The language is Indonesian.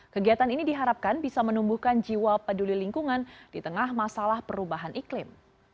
kegiatan ini diharapkan bisa menumbuhkan jiwa peduli lingkungan di tengah masalah perubahan iklim